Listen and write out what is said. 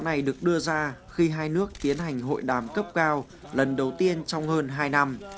này được đưa ra khi hai nước tiến hành hội đàm cấp cao lần đầu tiên trong hơn hai năm